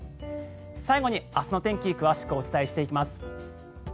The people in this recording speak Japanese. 最後に明日の天気詳しくお伝えしていきます。